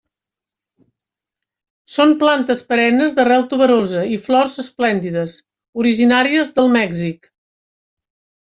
Són plantes perennes d'arrel tuberosa i flors esplèndides, originàries del Mèxic.